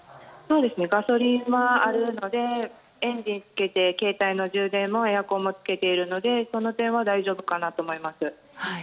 ガソリンはあるのでエンジン付けて携帯の充電もエアコンをつけているのでその点は大丈夫かなと思います。